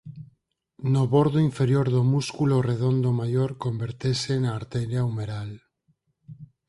No bordo inferior do músculo redondo maior convertese na arteria umeral.